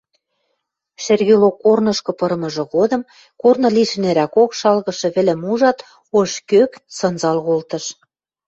Шӹргӹло корнышкы пырымыжы годым корны лишнӹрӓкок шалгышы вӹлӹм ужат, ош кӧк сынзал колтыш.